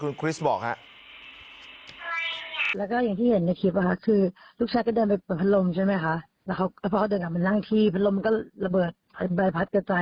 คุณคริสบอกค่ะแล้วก็อย่างที่เห็นในคลิปอ่ะค่ะ